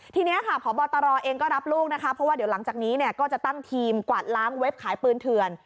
ทีนี้ค่ะพบตรเองก็รับลูกนะคะเพราะว่าเดี๋ยวหลังจากนี้เนี่ยก็จะตั้งทีมกวาดล้างเว็บขายปืนเถื่อน